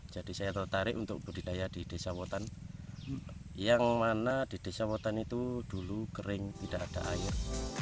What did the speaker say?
jadi saya tertarik untuk budidaya di desa wotan yang mana di desa wotan itu dulu kering tidak ada air